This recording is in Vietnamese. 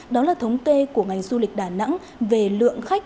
đó là thống kê của ngành du lịch đà nẵng về lượng khách